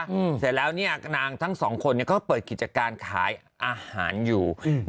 เสร็จแล้วเนี่ยนางทั้งสองคนเนี้ยก็เปิดกิจการขายอาหารอยู่อืม